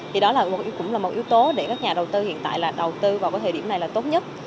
thì đó cũng là một yếu tố để các nhà đầu tư hiện tại là đầu tư vào cái thời điểm này là tốt nhất